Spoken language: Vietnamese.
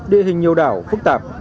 địa hình nhiều đảo phức tạp